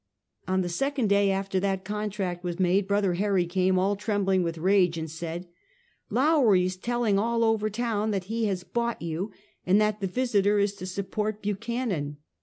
On the second day after that contract was made, brother Harry came, all trembling with rage, and said: " Lowrie is telling all over town that he has bought you, and that the Visiter is to support Buchanan!"